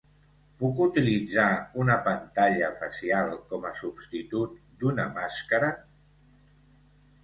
Puc utilitzar una pantalla facial com a substitut d’una màscara?